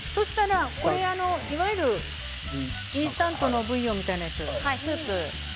いわゆるインスタントのブイヨンみたいなやつ。